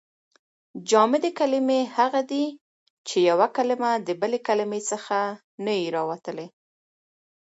جامدي کلیمې هغه دي، چي یوه کلیمه د بلي کلیمې څخه نه يي راوتلي.